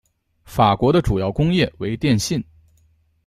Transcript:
法国的主要工业为电信。